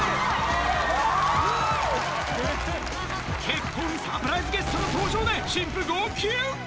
結婚サプライズゲストの登場で、新婦号泣。